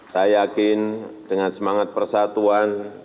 saya yakin dengan semangat persatuan